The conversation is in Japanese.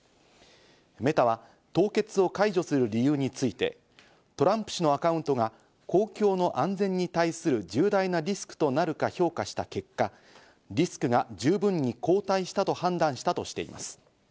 メタは凍結を解除する理由について、トランプ氏のアカウントが公共の安全に対する重大なリスクとなるか評価した結果、リスクが十分に後退したと判断したとしています。